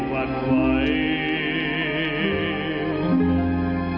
จะปิดท้องหลังเกียรตรรม